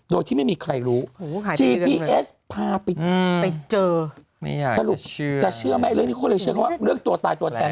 โดยที่ไม่มีใครรู้พาไปเจอจะเชื่อไหมรึงตัวตายตัวแทน